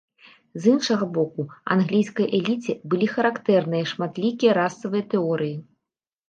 З іншага боку, англійскай эліце былі характэрныя шматлікія расавыя тэорыі.